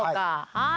はい。